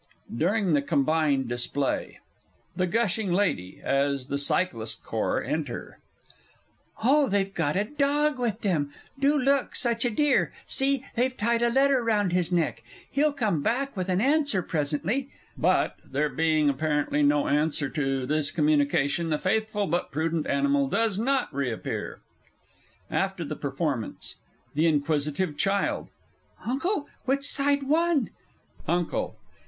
DURING THE COMBINED DISPLAY. THE GUSHING LADY (as the Cyclist Corps enter). Oh, they've got a dog with them. Do look such a dear! See, they've tied a letter round his neck. He'll come back with an answer presently. (But, there being apparently no answer to this communication, the faithful but prudent animal does not re appear.) AFTER THE PERFORMANCE. THE INQUISITIVE CHILD. Uncle, which side won? UNCLE.